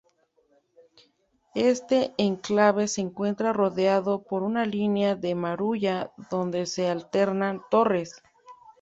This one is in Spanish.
Este enclave se encuentra rodeado por una línea de muralla donde se alternan torres.